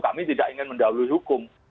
kami tidak ingin mendahului hukum